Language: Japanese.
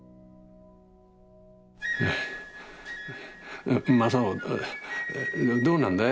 はぁ正雄どうなんだい？